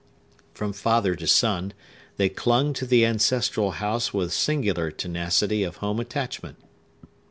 From father to son, they clung to the ancestral house with singular tenacity of home attachment.